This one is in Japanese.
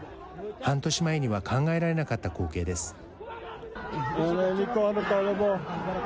半年前には考えられなかった光景です。